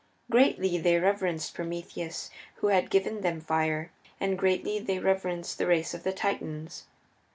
Greatly they reverenced Prometheus, who had given them fire, and greatly they reverenced the race of the Titans.